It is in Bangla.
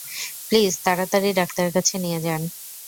প্লিজ, তাড়াতাড়ি ডাক্তারে কাছে নিয়ে যান।